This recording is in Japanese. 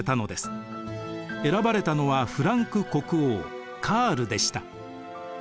選ばれたのはフランク国王カールでした。